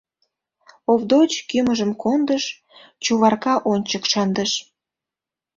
Овдоч кӱмыжым кондыш, Чуварка ончык шындыш.